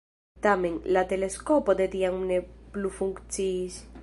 Tamen, la teleskopo de tiam ne plu funkciis.